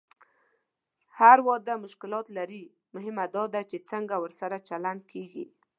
هر واده مشکلات لري، مهمه دا ده چې څنګه ورسره چلند کېږي.